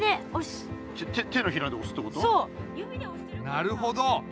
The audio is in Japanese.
なるほど！